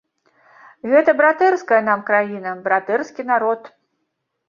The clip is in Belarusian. Гэта братэрская нам краіна, братэрскі народ.